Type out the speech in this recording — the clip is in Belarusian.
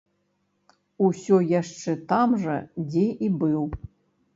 Усё яшчэ там жа, дзе і быў.